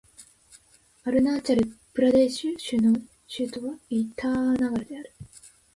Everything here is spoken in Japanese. アルナーチャル・プラデーシュ州の州都はイーターナガルである